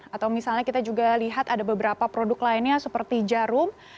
atau misalnya kita juga lihat ada beberapa produk lainnya seperti jarum